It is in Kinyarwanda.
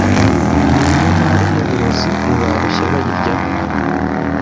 mu nkono harimo uburozi ntibarushya bayiryaho